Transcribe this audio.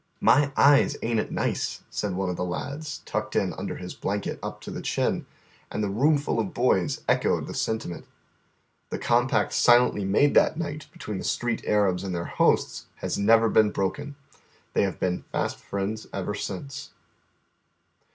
"My eyes, ain't it nicel" said one of the lads, tucked in_ under his blanket up to the chin, and the roomful of hoys echoed tlie sentiment. The com pact silently made tiiat night between the Street Arabs and their hosts has never been broken. They have been fast friends ever since.